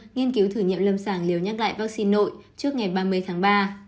nghiên cứu thử nghiệm lâm sàng liều nhắc lại vaccine nội trước ngày ba mươi tháng ba